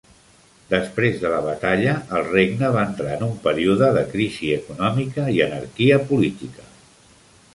Després de la batalla, el regne va entrar en un període de crisi econòmica i anarquia política.